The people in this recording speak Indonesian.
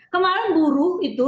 kemarin buruh itu